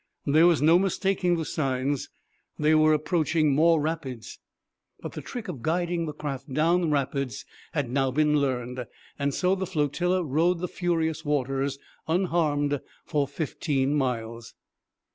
There was no mistaking the signs. They were approaching more rapids. But the trick of guiding the craft down rapids had now been learned; so the flotilla rode the furious waters unharmed for fifteen miles.